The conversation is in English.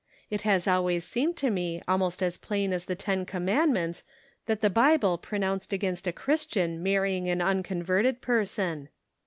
It has always seemed to me almost as plain as the ten commandments that the Bible pronounced against a Christian marrying an unconverted person."